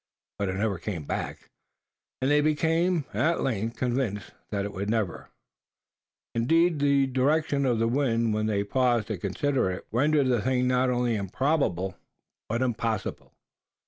But it never came back; and they became at length convinced, that it never would. Indeed, the direction of the wind when they paused to consider it rendered the thing not only improbable, but impossible.